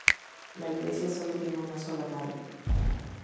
La iglesia sólo tiene una sola nave.